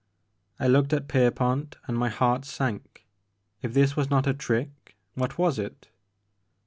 I looked at Pierpont, and my heart sank. If this was not a trick, what was it